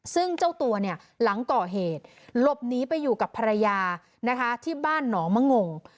ซึ่งเจ้าตัวเนี่ยหลังก่อเหตุหลบหนีไปอยู่กับภรรยานะคะที่บ้านหนองมะงง